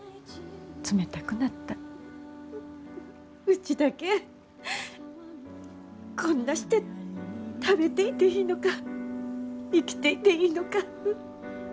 うちだけこんなして食べていていいのか生きていていいのか。